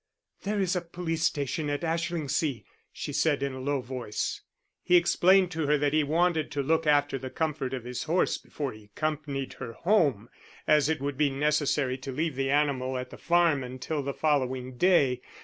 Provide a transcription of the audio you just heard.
"There is a police station at Ashlingsea," she said, in a low voice. He explained to her that he wanted to look after the comfort of his horse before he accompanied her home, as it would be necessary to leave the animal at the farm until the following day.